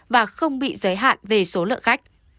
và không bị giới hạn về số lượng khách